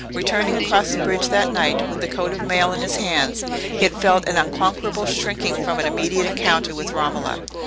Returning across the bridge that night, with the coat of mail in his hands, he had felt an unconquerable shrinking from an immediate encounter with Romola.